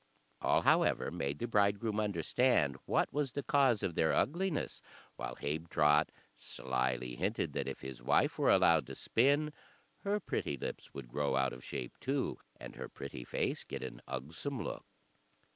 All, however, made the bridegroom understand what was the cause of their ugliness; while Habetrot slily hinted that if his wife were allowed to spin, her pretty lips would grow out of shape too, and her pretty face get an ugsome look.